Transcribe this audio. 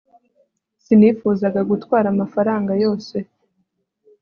sinifuzaga gutwara amafaranga yose